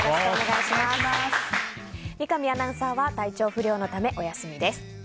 三上アナウンサーは体調不良のため、お休みです。